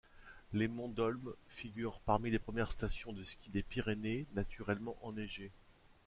Les Monts d'Olmes figurent parmi les premières stations de ski des Pyrénées naturellement enneigées.